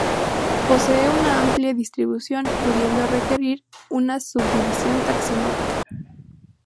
Posee una amplia distribución, pudiendo requerir una subdivisión taxonómica.